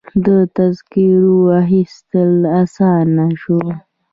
د تذکرو اخیستل اسانه شوي؟